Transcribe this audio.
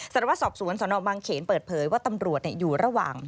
สารวัตรสอบสวนสนบางเขนเปิดเผยว่าตำรวจอยู่ระหว่าง